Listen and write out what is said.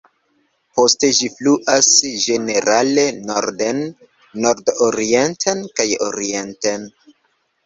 Poste ĝi fluas ĝenerale norden, nord-orienten kaj orienten.